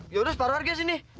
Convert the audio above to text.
yaudah separuh harga sih nih